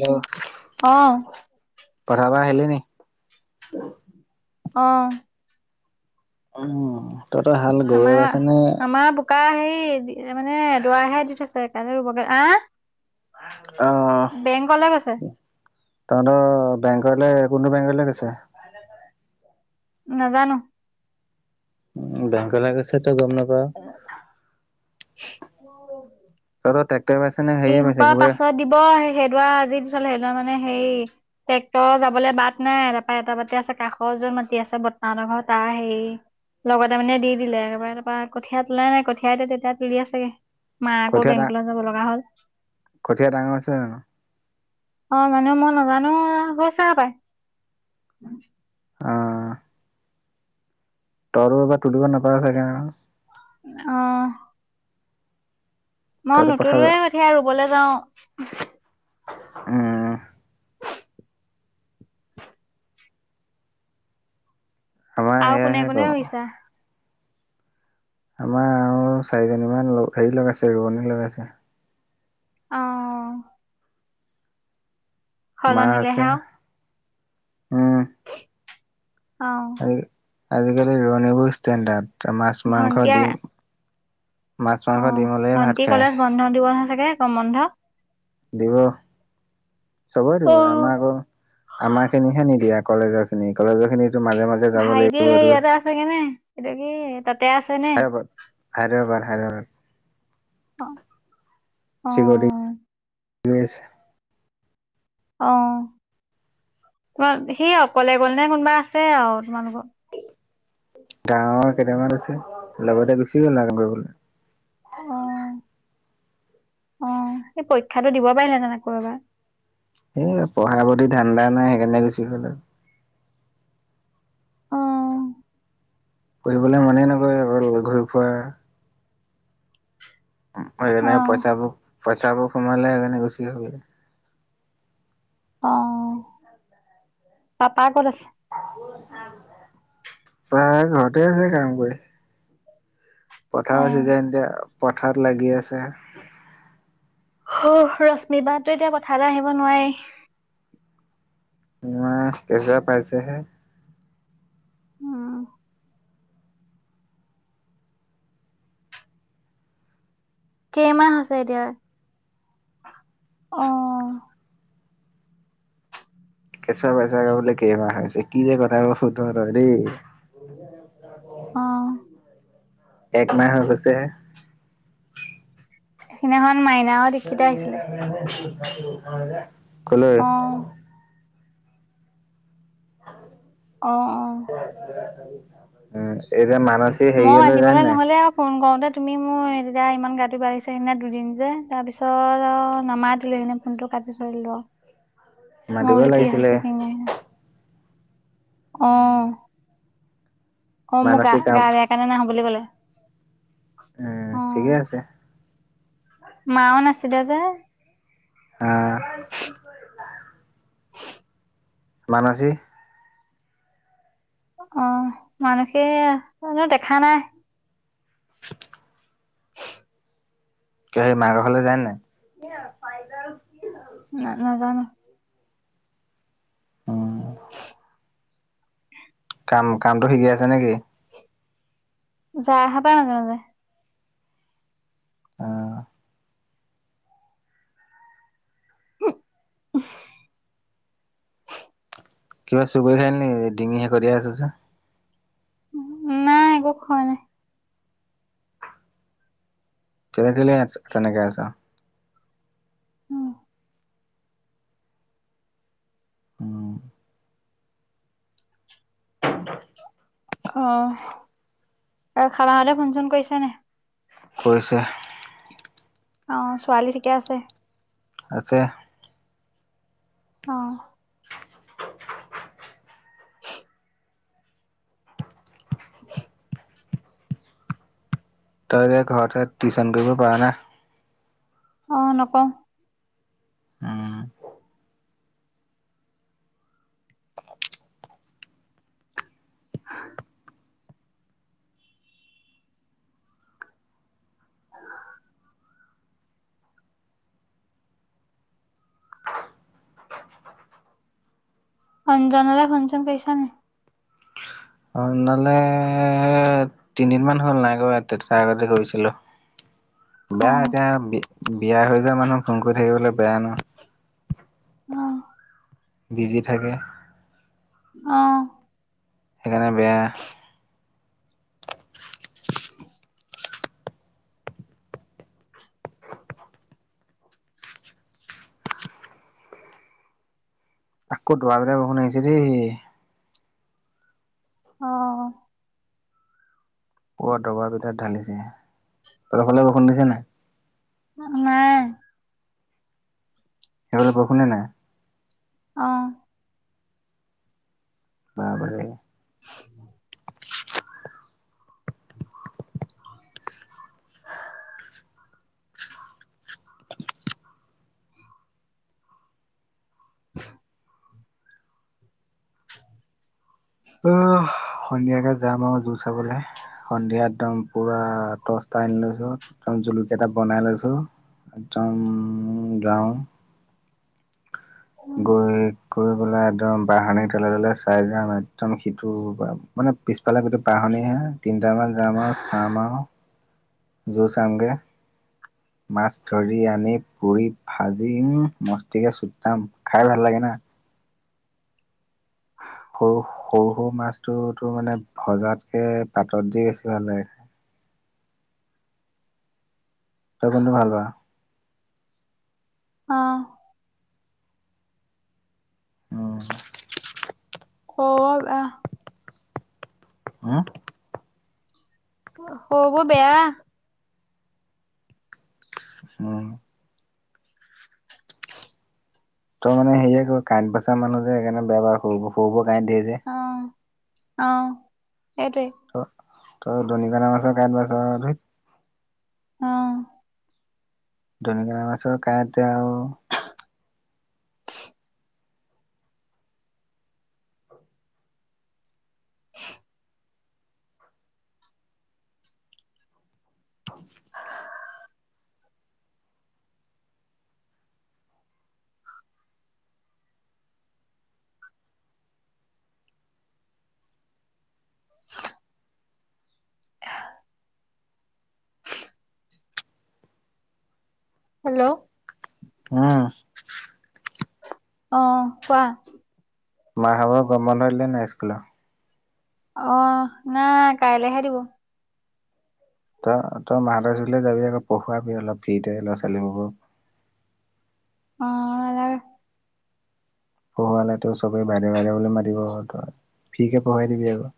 Hello অহ। পথাৰৰ পৰা আহিলি নি? অহ। উম। তহঁতৰ হাল গৰুৱে ৰৈছেনে- সৈ জি এ মানে, দৰাহে দি থৈছে কাইলে ৰুবগে। আহ। বেংকলে গৈছে। তাৰ ন বেংকলে, কোনটো বেংকলে গৈছে? নাজানোঁ। উম, বেংকলে গৈছ তই গম নাপাওঁ। [unintelligible] তোৰো তেক এইহোপা পাছত দিব। সেই সেইডৰা আজি- সেইফালে এইবাৰ মানে সেই, ট্ৰেক্টৰ যাবলৈ বাট নাই, তাৰপৰা এটা বাটে আছে, কাষৰ যোৰ মাতি আছে বত- তাহতৰ ঘৰত, তাৰ হেই। লগতে মানে দি দিলে একেবাৰে। তাৰপৰা কঠীয়া তুলাই নাই। কঠীয়া এতিয়া তেতিয়া তুলি আছে ছাগে। মা আকৌ কঠীয়া ডা বেংকলে যাব লগা হ'ল। কঠীয়া ডাঙৰ হৈছে জানোঁ? অ' মানে মই নাজানো হৈছে পাই। অ', [unintelligible] অ', মই তইতো পথাৰ নুতোলোৱে কঠিয়া ৰুবলৈ যাওঁ। উম। আমাৰ আৰু কোনে সেয়াহে কোনে কৰোঁ। ৰুইছা। আমাৰ আৰু চাৰিজনীমান হেৰি লগাইছে ৰোৱনী লগাইছে অ মা সলনিলে আছে হে উম, অ আজি আজিকালি ৰোৱণীবোৰ ষ্টেণ্ডাৰ্ড মাছ মাংস ভন্টিয়ে দিম অ ভণ্টি কলেজ বন্ধ দিব ন চাগে গৰম বন্ধ দিব চবই দিব অ'। আমাৰ আকৌ আমাৰ খিনিহে নিদিয়া কলেজৰ খিনি কলেজৰ খিনিতো মাজে মাজে যাব ভাইটি লাগিব সেই আৰু ইয়াতে আছেগে নে এইটো কি তাতে আছে নে হায়দৰাবাদ হায়দৰাবাদ অ অহ ৰৈ আছে অ তোমাৰ সেইয়া কলে গলে নে কোনোবা আছে আৰু তোমালোকৰ গাঁৱৰ কেইটামান আছে লগতে গুচি গ'ল ন কাম কৰিবলৈ আহ অ সেই পৰীক্ষাটো দিব পাৰিলে আকৌ এবাৰ সেই পঢ়া পতি ধান্দা নাই সেইকাৰণে গুচি গ'ল আৰু অ', পঢ়িবলৈ মানেই নকৰে অকল ঘূৰি ফুৰা সেইকাৰণে অ', পইচাবোৰ পইচাবোৰ সোমালে সেইকাৰণে গুচি আহ অ পাপা ক'ত আছে তাই ঘৰতে আছে কাম কৰি অ'। পথাৰ চিজন এতিয়া পথাৰত লাগি আছে অ ৰশ্মিবা তো এতিয়া পথাৰলৈ আহিব নোৱাৰেই নাই কেচুৱা পাইছেহে উম কেইমাহ হৈছে এতিয়া আহ কেঁচুৱা পাইছে আকৌ কেইমাহ হৈছে কি যে কথা সুধ তই দেই আহ একমাহ হৈ গৈছেহে সেইখিদিনাখন মাইনাহত দীক্ষিতা আহিছিলে [unintelligible] আহ অ', অ'। উম এই মই মাতিবলে নহলে আৰু ফোন কৰোতে তুমি মোৰ এতিয়া ইমান গাটো বাঢ়িছো সেইদিনা দুদিন যে তাৰপিছত নামাতিলে সেইদিনা ফোনতটো মই মাতিব বোলো কি লাগিছিলে হৈছে কি হোৱা নাই অ অ মোৰ গা মানসী কাম গা বেয়া কাৰণে নাহো বুলি ক'লে উম অ', ঠিকেই আছে মাও নাছিলে যে আহ বানসী অ মানসি অ মই দেখা নাই [inaudible] কিয় সেই মাৰকৰ ঘৰলৈ যায় নে নাই ন নাজানো উম [unintelligible] কাম কামটো শিকি আছে নেকি যাই হব পাই মাজে মাজে আহ [unintelligible] কিবা চুবুৰ খালি নি ডিঙি হে কৰিয়াই আছে যে নাই একো খোৱা নাই। তে খলে ই এ নেক আছা উম [unintelligible] অ আৰু খাবাহতে ফোন চোন কৰিছে নে কৰিছে অ ছোৱালী ঠিকে আছে। আছে। আহ। [unintelligible] তই যে ঘৰতে টিউচন কৰিব পাৰ না অ নাপও উম। অঞ্জন লে ফোন চুন কৰিছ নেকি? অঞ্জনলে তিনিদিনমান হ'ল নাই কৰা তাৰ আগতে কৰিছিলো। অ বেয়া এতিয়া বিয়া হৈ যায় মানুহ ফোন কৰি থাকিবলৈ বেয়া ন। আহ। বিজি থাকে। আহ। সেইকাৰণে বেয়া। আকৌ দবা পিতা বৰষুণ আহিছে দই আহ। অ দবা পিটা ঢালিছে তহঁতৰ ফালে বৰষুণ দিছে নাই? নাই সেইফালে বৰষুণে নাই আহ। বাপৰে অ সন্ধিয়াকে যাম আৰু জোৰ চাবলে সন্ধিয়া একদম পুৰা টস্তা আনি লৈছো একদম জুলুকীয়াটা বনাই লৈছো একদ যাও গৈ গৈ পেলাই একদম বাহানি তেলে তলে চাই যাম একদম সিটো মানে পিছফালে যিটো বাহনী সেয়া তিনিটামান যাম আৰু চাম আৰু গৈ চামগে মাছ ধৰি আনি পুৰি ভাজি উম মস্তিকে চুটাম খাই ভাল লাগে না। সৰু সৰু সৰু মাছটোতো মানে ভজাতকে পাতত দি বেছি ভাল লাগে। ত কোনটো ভাল পাওঁ। আহ। উম। অ আহ। হোঁ খবৰ বেয়া অ। তই মানে সেয়ে কৰ কাঁইট বচা মানুহ যে সেইকাৰণে বেয়া বাৰ সৰু সৰুবোৰ কাঁটেই যে অ অ সেইটোৱেই দনিকনা মাছৰ অ। দনিকণা মাছৰ কাঁইট আৰু [unintelligible] [unintelligible] [inaudible] হেল্ল' উম। অ', কোৱা। মা হব গম বন্ধ দিলে নাই স্কুলৰ? অ নাই কাইলৈ হে দিব। তই তই মাহতুললে যাবি আকৌ পঢ়োৱাবি অলপ ফ্ৰী থাকে ল'ৰা ছোৱালীবক। অ', নালাগে। পঢ়োৱাল তো চবেই বাইদেউ বাইদেউ বুলি মাতিব ঘ ত ফিকে পঢ়ুৱাই দিবি আকো।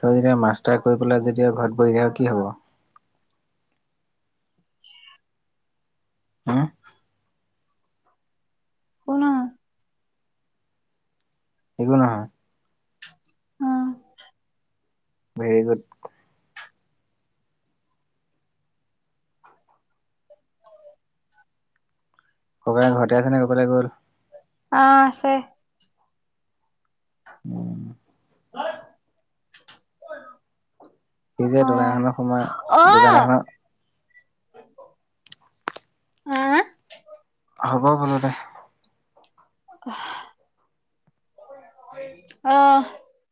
তই যেতিয়া মাষ্টাৰ কৰি পেলাই যদিও ঘৰত বহি থাক আৰু কি হব। হা। শুনা একো নহয় অ ভেৰি গুড। [inaudible] ককাই ঘৰতে আছে ন ক'ৰবলে গ'ল? অ', আছে। [inaudible] স যে অ দোকান এখনৰ সময় অ দোকান এখনত হা, আ? হ'ব বোলো দে। অ'।